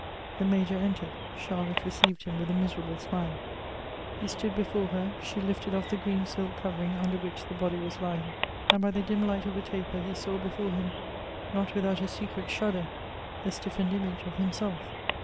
The Major entered. Charlotte received him with a miserable smile. He stood before her; she lifted off the green silk covering under which the body was lying ; and by the dim light of a taper, he saw before him, not without a secret shudder, the stiffened image of himself.